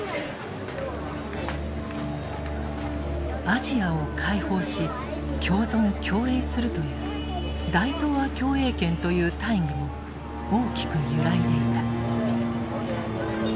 アジアを解放し共存共栄するという大東亜共栄圏という大義も大きく揺らいでいた。